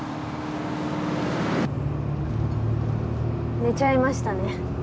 寝ちゃいましたね。